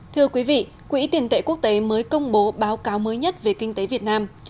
thưa quý vị quỹ tiền tệ quốc tế mới công bố báo cáo mới nhất về kinh tế việt nam